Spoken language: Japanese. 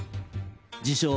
自称